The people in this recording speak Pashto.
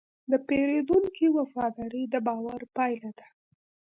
د پیرودونکي وفاداري د باور پايله ده.